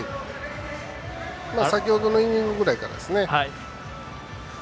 先ほどのイニングぐらいからですね。